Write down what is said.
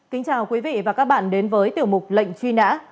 kính chào quý vị và các bạn đến với tiểu mục lệnh truy nã